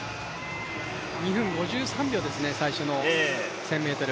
２分５３秒ですね、最初の１０００ｍ。